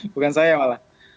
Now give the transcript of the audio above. bukan saya malah